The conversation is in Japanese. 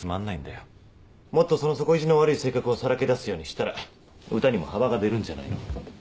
もっとその底意地の悪い性格をさらけ出すようにしたら歌にも幅が出るんじゃないの？